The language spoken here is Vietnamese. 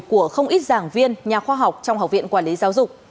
của không ít giảng viên nhà khoa học trong học viện quản lý giáo dục